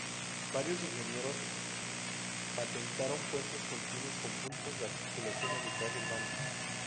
Varios ingenieros patentaron puentes continuos con puntos de articulación a mitad del vano.